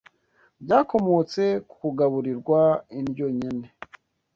byakomotse ku kugaburirwa indyo nkene.